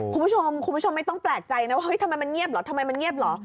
คุณผู้ชมคุณผู้ชมไม่ต้องแปลกใจนะว่าทำไมมันเงียบหรอ